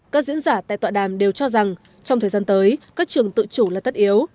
các diễn giả tại tọa đàm đều cho rằng trong thời gian tới các trường tự chủ là tất yếu